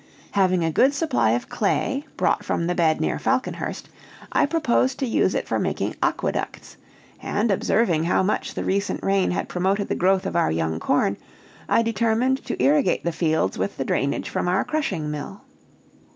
Having a good supply of clay, brought from the bed near Falconhurst, I proposed to use it for making aqueducts; and, observing how much the recent rain had promoted the growth of our young corn, I determined to irrigate the fields with the drainage from our crushing mill.